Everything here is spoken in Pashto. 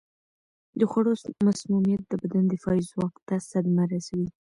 د خوړو مسمومیت د بدن دفاعي ځواک ته صدمه رسوي.